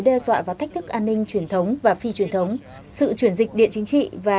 đe dọa và thách thức an ninh truyền thống và phi truyền thống sự chuyển dịch địa chính trị và